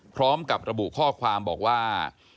พร้อมกับระบุข้อความบอกว่า